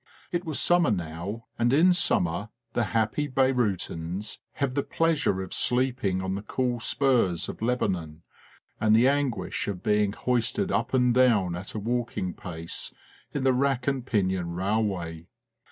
It was summer now, and in summer the happy Beyroutins have the pleasure of sleeping on the cool spurs of Lebanon, and the anguish of being hoisted up and down at a walking pace in the rack and pinion railway.